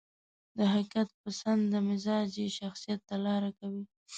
د حقيقت پسندي مزاج يې شخصيت ته لاره کوي.